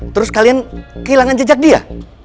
terus kalian kehilangan jejak dia